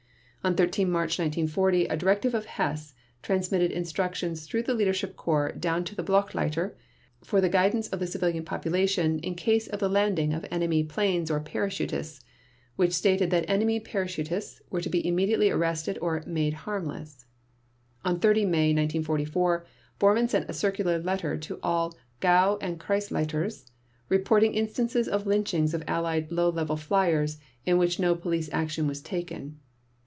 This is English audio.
On 13 March 1940 a directive of Hess transmitted instructions through the Leadership Corps down to the Blockleiter for the guidance of the civilian population in case of the landing of enemy planes or parachutists, which stated that enemy parachutists were to be immediately arrested or "made harmless". On 30 May 1944 Bormann sent a circular letter to all Gau and Kreisleiters reporting instances of lynchings of Allied low level fliers in which no police action was taken.